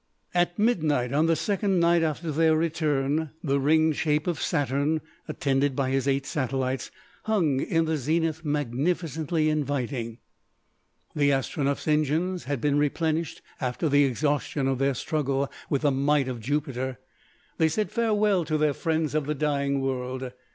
At midnight on the second night after their return, the ringed shape of Saturn, attended by his eight satellites, hung in the zenith magnificently inviting. The Astronef's engines had been replenished after the exhaustion of their struggle with the might of Jupiter. They said farewell to their friends of the dying world.